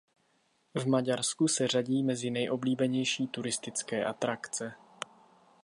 V Maďarsku se řadí mezi nejoblíbenější turistické atrakce.